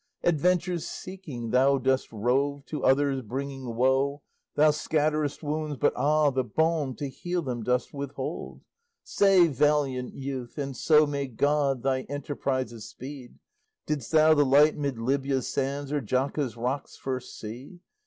Adventures seeking thou dost rove, To others bringing woe; Thou scatterest wounds, but, ah, the balm To heal them dost withhold! Say, valiant youth, and so may God Thy enterprises speed, Didst thou the light mid Libya's sands Or Jaca's rocks first see?